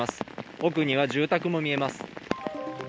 奥には住宅も見えます。